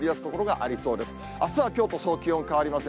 あすはきょうとそう気温変わりません。